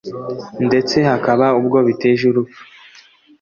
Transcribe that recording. ndetse hakaba ubwo biteje urupfu